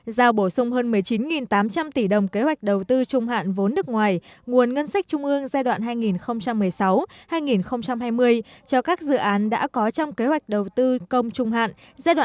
giao bổ sung hơn một mươi chín tám trăm linh tỷ đồng kế hoạch đầu tư trung hạn vốn nước ngoài nguồn ngân sách trung ương giai đoạn hai nghìn một mươi sáu hai nghìn hai mươi cho các dự án đã có trong kế hoạch đầu tư công trung hạn giai đoạn hai nghìn một mươi sáu hai nghìn hai mươi